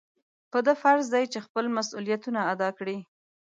په ده فرض دی چې خپل مسؤلیتونه ادا کړي.